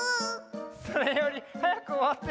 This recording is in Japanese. それよりはやくおわって！